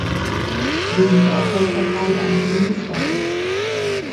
Weniger erfolgreich war die Einführung des Airbags.